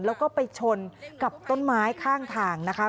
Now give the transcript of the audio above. แล้วก็ไปชนกับต้นไม้ข้างทางนะคะ